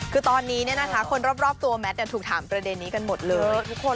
คนรอบตัวแมทถูกถามประเด็นนี้กันหมดเลย